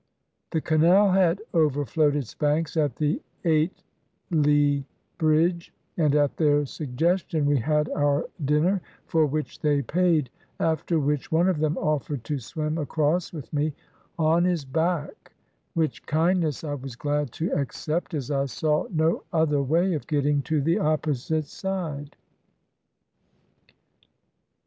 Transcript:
The canal had over flowed its banks at the Eight Li Bridge, and at their sug gestion we had our dinner, for which they paid, after which one of them offered to swim across with me on his back, which kindness I was glad to accept, as I saw no other way of getting to the opposite side.